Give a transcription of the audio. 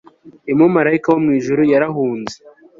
uyu mumarayika wo mwijuru yarahunze